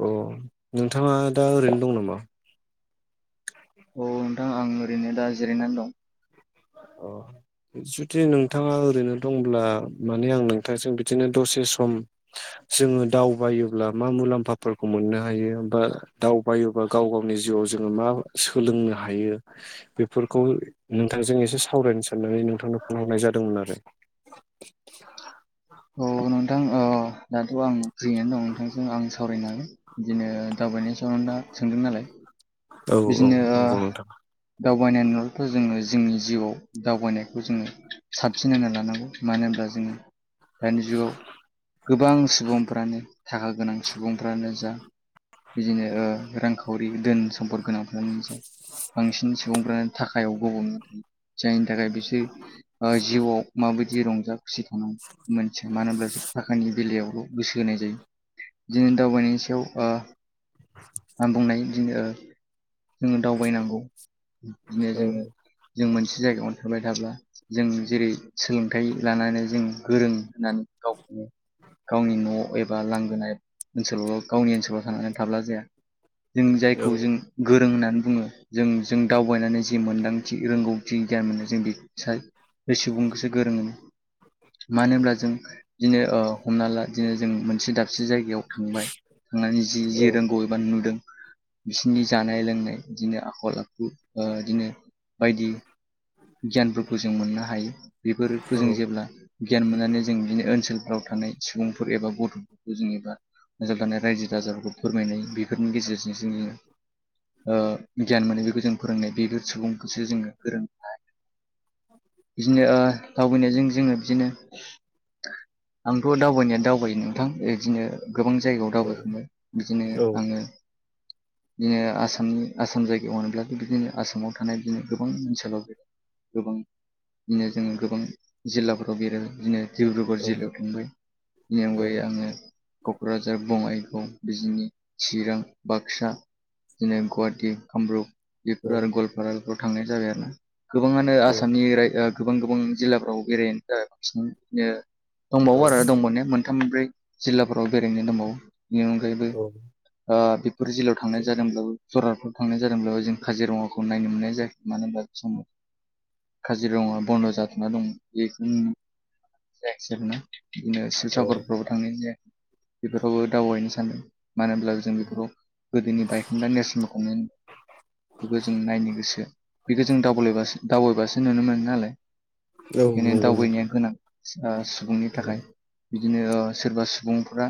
अ नोंथाङा दा ओरैनो दं नामा? औ नोंथां आं ओरैनो दा जिरायनानै दं। अ जुदि नोंथाङा ओरैनो दंब्ला माने आं नोंथांजों बिदिनो दसे सम [inaudible] जोङो दावबायोब्ला मा मुलाम्फाफोरखौ मोननो हायो हा दावबायोबा गाव गावनि जिउआव जोङो मा सोलोंनो हायो बेफोरखौ नों नोंथांजों एसे सावरायनो साननानै नोंथांनो फन हरनाय जादोंमोन आरो। औ नोंथां ओ दाथ' आं फ्रियनो दं नोंथांजों आं सावरायनो हागोन। बिदिनो दावबायनाय सायाव नोंथांआ सोंदों नालाय औ औ बिदिनो नंगौ नोंथां दावबायनाय नलाथ' जोङो जोंनि जिउआव दावबायनायखौ जोङो साबसिन होनना लानांगौ मानो होनब्ला जोङो [inaudible] दानि जुगाव गोबां सुबुंफ्रानो थाखा गोनां सुबुंफ्रानो जा बिदिनो रांखावरि धोन सम्फद गोनां फ्रानो जा बांसिन सुबुंफ्रानो थाखायाव गब'नो जायनि थाखाय बिसोर ओ जिउआव माबायदि रंजा खुसि थानांगौ मोनथिया मानो होनोमब्ला जों थाखानि बेलायावल' [inaudible] जोङो दावबायनांगौ बिदिनो औ जोङो जों मोनसे जायगायावनो थाबाय थाब्ला जों जेरै सोलोंथाइ लानानै जों गोरों होननानै गावखौनो गावनि न' एबा लांगोनाय ओनसोलाव गावनि ओनसोलाव थाना थाब्ला जाया। जों औ जायखौ जों गोरों होननानै बुङो जों-जों दावबायनानै जि मोनदांथि रोंगौथि गियान मोनो जों बि साय बै सुबुंखौसो गोरों होनो। मानो होनब्ला जों बिदिनो ओ हमना ला बिदिनो जों मोनसे दाबसे जायगायाव थांबाय थांनानै जि जे रोंगौ एबा नुदों बिसोरनि जानाय लोंनाय बिदिनो आखल-आखु ओ बिदिनो बायदि गियानफोरखौ जों मोननो हायो बेफोरखौ जों जेब्ला गियान मोननानै जों बिदिनो ओनसोलफोराव थानाय सुबुंफोर एबा गथ'फोरखौ जेनेबा जाव थानाय रायजो राजाफोरखौ फोरमायनाय बेफोरनि गेजेरजों [unintelligible] ओ गियान मोनो बेखौ जों फोरोंनाय बेफोर सुबुंखौसो जोङो गोरों बिदिनो ओ दावबायनायजों जोङो बिदिनो आंथ' दावबायनाया दावबायो नोंथां बिदिनो गोबां जायगायाव दावबायखांबाय बिदिनो आङो बिदिनो आसामनि आसाम जायगायाव होनोब्लाथ' बिदिनो आसामाव थानाय बिदिनो गोबां ओनसोलाव गोबां बिदिनो जोङो गोबां जिल्लाफोराव बेरो बिदिनो डिब्रुगर जिल्लायाव थांबाय बेनि अनगायै आङो क'क्राझार बङाइगाव बिजिनि चिरां बाक्सा। दिनो गुवाहाटि कामरुप। बेफोराव आरो गवालपाराफोराव थांनाय जाबाय आरो ना गोबाङानो आसामनि राय ओ गोबां-गोबां जिल्लाफ्राव बेरायनो [unintelligible] दंबावो आरो दंबावनाया मोनथाम मोनब्रै। जिल्लाफोराव बेरायनो दंबावो बेनि अनगायैबो ओ बेफोर जिल्लायाव थांनाय जादोंब्लाबो जरहातफ्राव थांनाय जादोंब्लाबो जों काजिरङाखौ नायनो मोननाय जायाखै मानो होनब्ला बे समाव काजिरङा बन्द' जाथ'ना दं बेखायनो नुनाय जायासै [unintelligible] बिदिनो शिबसागरफ्रावबो थाङै जे बेफोरावबो दावबायनो सान्दों। मानो होनब्लाबो जों बेफोराव गोदोनि बायखोन्दा नेरसोनफोरखौ मोनो। बेखौ जों नायनो गोसो बेखौ जों [unintelligible] दावबायबासो नुनो मोनो नालाय बेखायनो नंगौ दावबायनाया नोंथां गोनां ओ सुबुंनि थाखाय। बिदिनो ओ सोरबा सुबुंफ्रा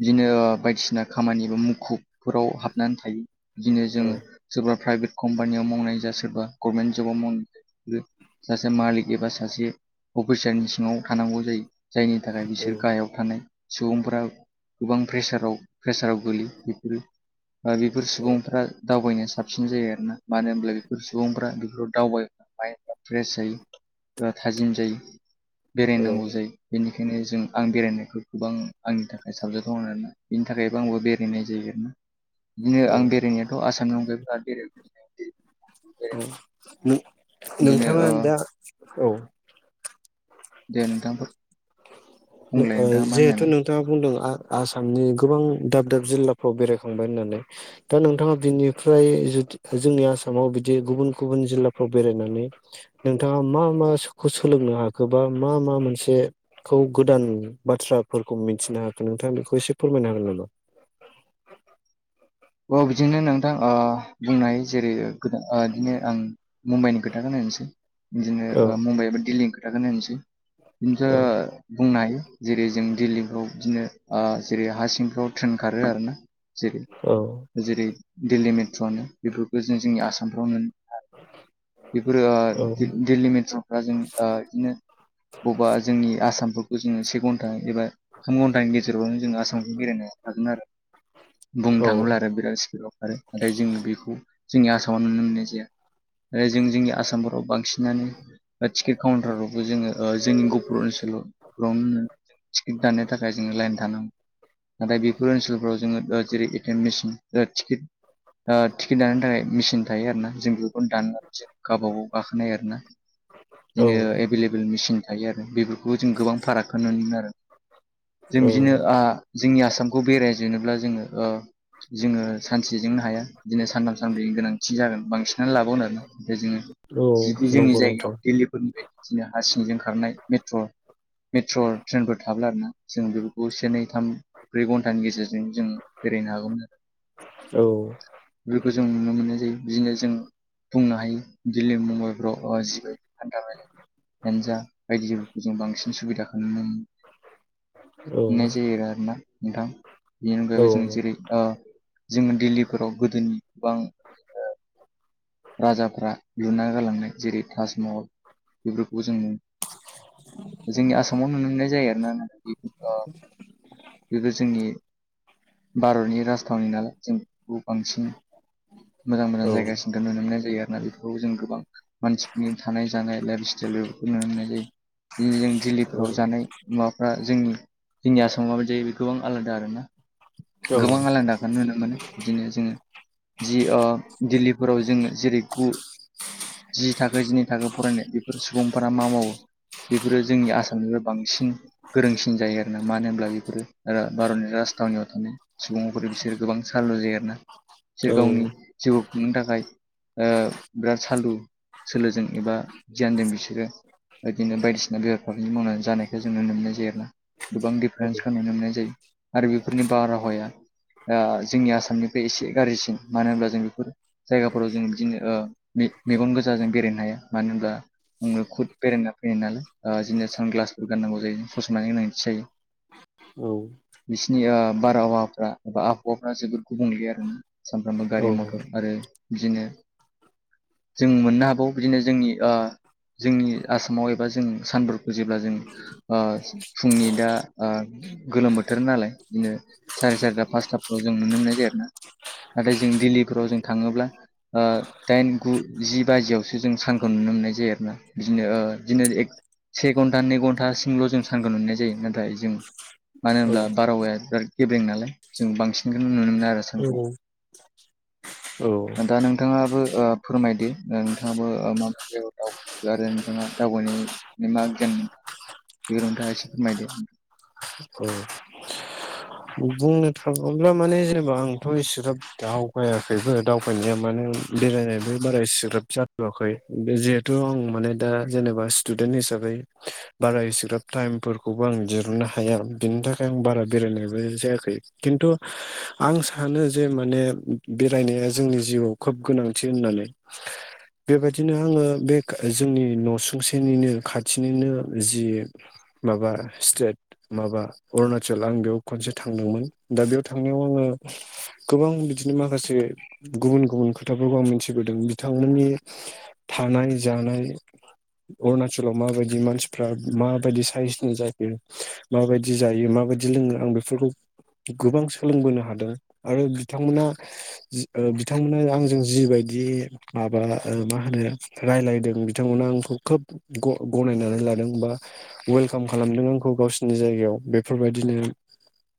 बिदिनो बायदिसिना खामानि मुखुबफोराव हाबनानै थायो। बिदिनो जोङो सोरबा प्राइभेट कम्पानियाव मावनाय जा सोरबा गभमेन्ट जबाव मावनाय सासे मालिक एबा सासे अफिसारनि सिङाव थानांगौ जायो जायनि थाखाय औ बिसोर गाहायाव थानाय सुबुंफोरा गोबां प्रेसाराव प्रेसाराव गोलैयो बेफोरो ओ बेफोर औ सुबुंफ्रा दावबायनो साबसिन जायो आरोना मानो होनब्ला बेफोर सुबुं बेफोराव दावबाय [unintelligible] फ्रेस जायो। ओ थाजिम जायो बेरायनांगौ जायो। बेनिखायनो जों आं बेरायनायखौ गोबां आंनि थाखाय साबजाथाव होननानै बेनि थाखायबो आंबो बेरायनाय जायो। बिदिनो औ आं बेरायनायाथ' आसामनि अनगायै [unintelligible] औ बिदिनो नोंथाङा ओ दा औ। दे नोंथां बुंलाय नोंथाङा मा जिहेथु होननायमोन नों दा बुंदों आ-आसामनि गोबां दाब-दाब जिल्लाफ्राव बेरायखांबाय होननानै दा नोंथाङा बिनिफ्राय जुदि जोंनि आसामाव बिदि गुबुन गुबुन जिल्लाफ्राव बेरायनानै नोंथाङा मा माखौ सोलोंनो हाखोबा मा मा मोनसे खौ गोदान बाथ्राफोरखौ मिथिनो हाखो नोंथाङा बेखौ एसे फोरमायनो हागोन नामा। औ बिदिनो नोंथां ओ बुंनाय जेरै गोदान ओ बिदिनो आं मुम्बाइनि खोथाखौनो होनसै। बिदिनो औ ओ मुम्बाइ एबा दिल्लीनि खोथाखौनो होनसै बिनोथ औ बुंनो हायो जेरै जों दिल्लीफ्राव बिदिनो ओ जेरै हा सिंफ्राव ट्रेन खारो आरो ना। जेरै औ। जेरै दिल्ली मेट्र'नो बेफोरखौ जों जोंनि आसामफ्रावनो बेफोरो औ दिल्ली मेट्र'फ्रा जों ओ बिदिनो बबेबा जोंनि आसामफोरखौ जोङो से घन्टा एबा थाम घन्टानि गेजेरावनो जोङो आसामखौ बेरायनो हागोन आरो बुंनो औ थाङोब्ला आरो। बिराद स्पिडाव खारो नाथाय जोङो बेखौ जोंनि आसामाव नुनो मोननाय जाया। आरो जों जोंनि आसामफोराव बांसिनानो टिकेट काउन्टाराव थ' जोङो ओ जोंनि गपुर ओनसोलाव [unintelligible] टिकिट दाननो थाखाय जोङो लाइन थानांगौ। नाथाय बेफोर ओनसोलफ्राव जोङो जेरै एटिएम मेसिन ओ टिकेट ओ टिकेट दानायनि थाखाय मेसिन थायो आरो ना जों बेखौनो दाननो गावब गाव गाखोनो हायो आरोना औ बिदिनो एभेलेबेल मेसिन थायो आरो बेबो बेखौ जों गोबां फारागखौ नुनो मोनो आरो जों औ बिदिनो ओ जोंनि आसामखौ बेरायजोबनोब्ला जोङो ओ जोङो सानसेजोंनो हाया बिदिनो सानथाम सानब्रैनि गोनांथि जागोन बांसिन [unintelligible] जोङो औ जुदि जोंनि नंगौ जायगायाव नोंथां दिल्लीफोरनि बाय बिदिनो हा सिंजों खारनाय मेट्र' मेट्र' ट्रेनफोर थाब्ला आरोना जों बेफोरखौ से नै थाम ब्रै घन्टानि गेजेरजों जों बेरायनो हागौमोन आरो। औ। बेफोरखौ जों नुनो मोननाय जायो बिदिनो जों बुंनो हायो दिल्ली मुम्बाइफ्राव [unintelligible] होनजा बायदिफोरखौ जों बांसिन सुबिदाखौ नुनो मोनो। औ नुनाय जायो आरो ना नोंथां। बेनि अनगायैबो जों औ जेरै जोङो दिल्लीफोराव गोदोनि गोबां राजाफ्रा लुना गालांनाय जेरै ताजमहल बेफोरखौ जों जोंनि आसामाव नुनो मोननाय जायो आरोना [unintelligible] [unintelligible] गोदो जोंनि भारतनि राजथावनि नालाय जों बांसिन मोजां मोजां औ जायगासिन नुनो मोननाय जायो आरोना बेफोरखौ जों गोबां मानसिफोरनि थानाय जानाय लाइफ स्टाइलफोरखौ नुनो मोननाय जायो। दिनै जों दिल्लीफोराव जानाय माबाफ्रा जोंनि जोंनि आसाम [unintelligible] आलादा आरो ना गोबां आलादाखौनो नुनो मोनो। बिदिनो जोङो जि ओ दिल्लीफोराव जोङो जेरै गु जि थाखो जिनि थाखो फरायनाय बेफोर सुबुंफोरा मा मावो बेफोरो जोंनि आसामनिबो बांसिन गोरोंसिन जायो आरोना मानो होनब्ला बेफोरो ओ भारतनि राजथावनियाव थानाय सुबुंफोर बिसोरो गोबां साललु जायो आरोना। औ बिसोर गावनि जिउ खुंनो थाखाय ओ बिराद सालु सोलोजों एबा गियानजों बिसोरो ओ बिदिनो बायदिसिना बेफार फालांगि मावनानै जानायखौ जों नुनो मोननाय जायो आरोना गोबां [unintelligible] नुनो मोननाय जायो आरो बेफोरनि बारहावाया ओ जोंनि आसामनिफ्राय एसे गाज्रिसिन मानो होनब्ला जों बेफोर जायगाफोराव जों बिदिनो ओ मे मेगन गोजा जों बेरायनो हायो मानो होनब्ला आङो खुद बेरायना फैयो नालाय ओ जोंनो सानग्लासफोर गाननांगौ जायो फसंनानै गोनांथि जायो। औ। बिसिनि ओ बारहावाफ्रा एबा आबहावाफ्रा जोबोद गुबुंले आरोना। सानफ्रामबो गारि मथर आरो बिदिनो जों मोननो हाबाव बिदिनो जोंनि ओ जोंनि आसामाव एबा जों [unintelligible] जेब्ला जों ओ फुंनि दा ओ गोलोम बोथोर नालाय बिदिनो साराय सारिथा पासथाफ्राव जों नुनो मोननाय जायो आरोना। नाथाय जों दिल्लीफोराव जों थाङोब्ला ओ दाइन गु जि बाजियावसो जों सानखौ नुनो मोननाय जायो आरोना बिदिनो ओ बिदिनो से घन्टा नै घन्टासिमल' जों सानोन नुनाय जायो नाथाय जों मानो होनब्ला बारहावाया बिराद गेब्रें नालाय जों बांसिनखौ नुनो मोनो आरो सानखौ। [inaudible] दा नोंथाङाबो ओ फोरमायदो नोंथाङाबो मा मा जायगायाव दावबाय खो आरो नोंथाङा दावबाय मा गियान मोनखो बेखौ नोंथाङा एसे फोरमायदो। औ। बुंनो थाङोब्ला माने जेनेबा आंथ' इसिग्राब दाव बायाखैबो दावबायनाया माने बेरायनायबो बारा इसिग्रोब जाथ'वाखै। बे जेद थ' आं माने दा जेनेबा स्टुदेन्ट हिसाबै बारा एसिग्राब टाइमफोरखौबो आं दिरुननो हाया आरो। बिदिनि थाखाय आं बारा बेरायनाय बो जायाखै खिन्थु आं सानो जे माने बेरायनाया जोंनि जिउआव खोब गोनांथि होननानै। [inaudible] बेबायदिनो आङो बे गा जोंनि न'सुंसेनिनो खाथिनिनो जि माबा स्टेट माबा अरुणाचल आं बेयाव खनसे थांदोंमोन। दा बेयाव थांनायाव आङो गोबां बिदिनो माखासे गुबुन गुबुन खोथाफोरखौ आं मिथिबोदों। बिथांमोननि थानाय जानाय अरुणचलाव माबायदि मानसिफ्रा माबायदि साइसनि जायो माबायदि जायो माबायदि लोङो आं बे फुलखौ गोबां सोलोंबोनो हादों आरो बिथांमोना जि ओ बिथांमोना आंजों जिबायदि माबा ओ मा होनो रायलायदों बिथांमोना आंखौ खोब ग-गनायनानै लादों बा वेलकाम खालामदों आंखौ गावसिनि जायगायाव। बेफोरबायदिनो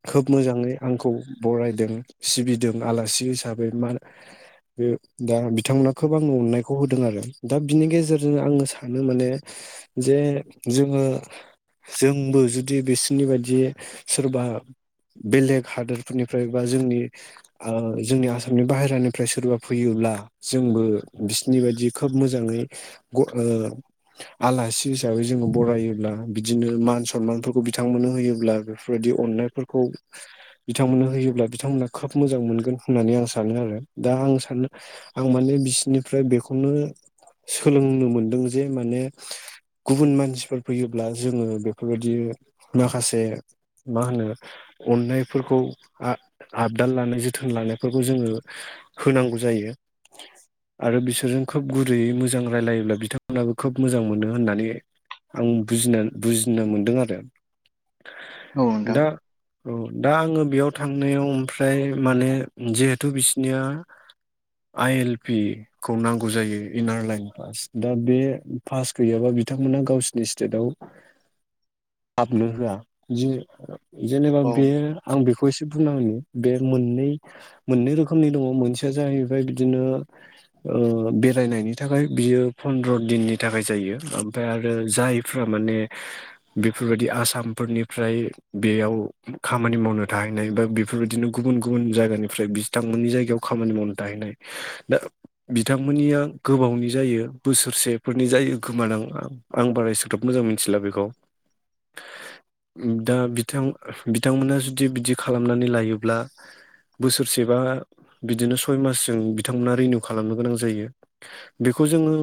खोब मोजाङै आंखौ बरायदों सिबिदों आलासि हिसाबै मा बो दा बिथांमोना खोब आंनो अननायखौ होदों आरो दा बिनि गेजेरजों आङो सानो माने जे जोङो जोंबो जुदि बिसिनि बायदि सोरबा बेलेग हादोरफोरनिफ्राय बा जोंनि ओ जोंनि आसामनि बाहेरानिफ्राय सोरबा फैयोब्ला जोंबो बिसनि बायदि खोब मोजाङै ग ओ आलासि हिसाबै जोङो बरायोब्ला बिदिनो मान सनमानफोरखौ बिथांमोननो होयोब्लाबो बेफोरबायदि अननायफोरखौ बिथांमोननो होयोब्ला बिथांमोना खोब मोजां मोनगोन होननानै आं सानो आरो। दा आं सानो आं माने बिसिनिफ्राय बेखौनो सोलोंनो मोनदों जे माने गुबुन मानसिफोर फैयोब्ला जोङो बेफोरबायदि माखासे मा होनो अननायफोरखौ आ-आबदाल लानाय जोथोन लानायफोरखौ जोङो होनांगौ जायो। आरो बिसोरजों खोब गुरैयै मोजां रायलायोब्ला बिथांमोनाबो खोब मोजां मोनो होननानै आं बुजिना बुजिनो मोनदों आरो। [inaudible] दा औ दा आङो बेयाव थांनायाव ओमफ्राय माने जिहेथु बिसिनिया आइ एल पि खौ नांगौ जायो इनार लाइन पास। दा बे पास गैयाबा बिथांमोना गावसिनि स्टेटआव [inaudible] हाबनो होआ। जे-जेनेबा औ बेयो आं बेखौ खौ एसे बुंना होनि। बे मोननै मोननै रोखोमनि दङ' मोनसेया जाहैबाय बिदिनो ओ बेरायनायनि थाखाय बियो फन्द्र दिननि थाखाय जायो। ओमफ्राय आरो जाय फ्रा माने बेफोरबायदि आसामफोरनिफ्राय बेयाव खामानि मावनो थाहैनाय बा बेफोरबायदिनो गुबुन गुबुन जायगानिफ्राय बिस थांमोननि जायगायाव खामानि मावनो थाहैनाय। दा बिथांमोननिया गोबावनि जायो बोसोरसेफोरनि जायो खोमादां ओ आं बाराय एसेग्राब मोजां मिनथिला बेखौ। [inaudible] दा बिथां बिथांमोना जुदि बिदि खालामनानै लायोब्ला बोसोरसेबा बिदिनो सय मासजों बिथांमोना रिनिउ खालामनो गोनां जायो। बेखौ जोङो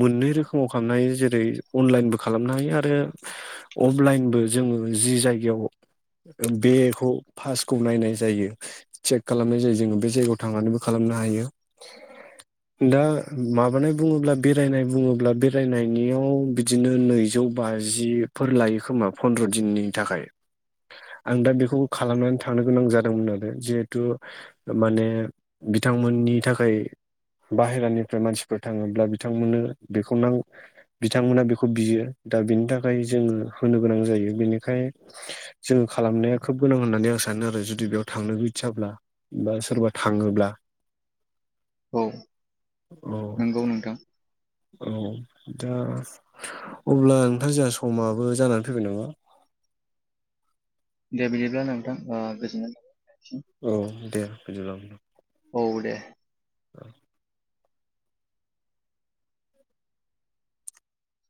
मोननै रोखोमाव खालामनो हायो जेरै अनलाइनबो खालामनो हायो आरो अफलाइनबो जोङो जि जायगायाव बेखौ फासखौ नायनाय जायो। चेक खालामनाय जायो जोङो बे जायगायाव थांनानैबो खालामनो हायो। [inaudible] दा माबानाय बुङोब्ला बेरायनाय बुङोब्ला बेरायनायनियाव बिदिनो नैजौ बाजिफोर लायो खोमा फन्द्र' दिननि थाखाय आं दा बेखौबो खालामनानै थांनो गोनां जादोंमोन आरो जिहेतु ओ माने बिथांमोननि थाखाय बाहेरानिफ्राय मानसिफोर थाङोब्ला बिथांमोननो बेखौ नां बिथांमोना बेखौ बियो दा बिनि थाखाय जोङो होनो गोनां जायो। बेनिखाय जोङो खालामनाया खोब गोनां होननानै आं सानो आरो जुदि बेयाव थांनो इदसाब्ला बा सोरबा थाङोब्ला औ औ नंगौ नोंथां। औ दा अब्ला नोंथां जाहा समाबो जानानै फैबाय नामा? दे बिदिब्ला नोंथां ओ गोजोननाय नोंथांनिसिम। औ दे [unintelligible] औ दे।